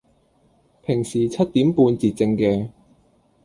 平時七點半截症嘅